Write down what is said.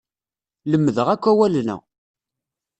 Lemdeɣ akk awalen-a.